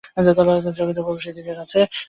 এবং, এই জগতের প্রবেশাধিকার যার আছে।